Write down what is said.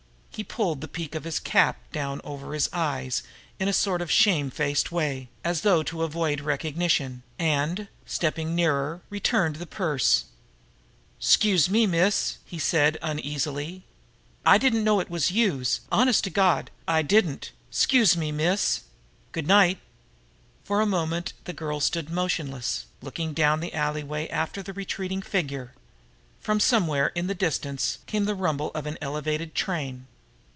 He pulled the peak of his cap down over his eyes in a sort of shame faced way, as though to avoid recognition, and, stepping nearer, returned the purse. "'Scuse me, miss," he said uneasily. "I didn't know it was youse honest to Gawd, I didn't! 'Scuse me, miss. Good night!" For a moment the girl stood there motionless, looking down the alleyway after the retreating figure. From somewhere in the distance came the rumble of an elevated train.